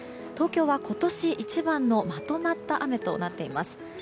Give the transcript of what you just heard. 東京は今年一番のまとまった雨となっています。